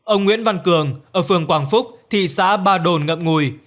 ông nguyễn văn cường ở phường quảng phúc thị xã ba đồn ngậm ngùi